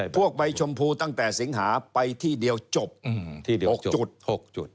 พวกไบชมพูตั้งแต่สิงหาไปที่เดียวจบปกจุด